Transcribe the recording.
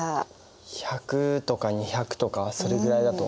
１００とか２００とかそれくらいだと思う。